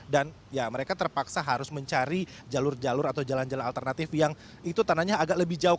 dan ya mereka terpaksa harus mencari jalur jalur atau jalan jalan alternatif yang itu tandanya agak lebih jauh